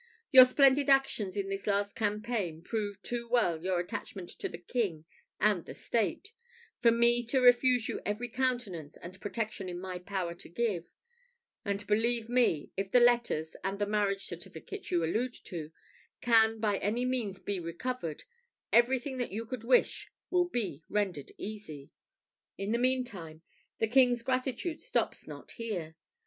Your splendid actions in this last campaign prove too well your attachment to the king and the state, for me to refuse you every countenance and protection in my power to give; and believe me, if the letters, and the marriage certificate you allude to, can by any means be recovered, everything that you could wish will be rendered easy. In the meantime, the King's gratitude stops not here.